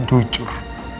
dan kamu gak pernah jujur